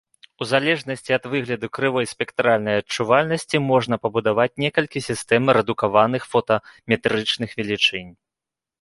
У залежнасці ад выгляду крывой спектральнай адчувальнасці можна пабудаваць некалькі сістэм рэдукаваных фотаметрычных велічынь.